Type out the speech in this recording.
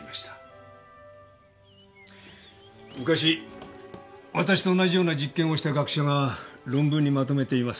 昔わたしと同じような実験をした学者が論文にまとめています。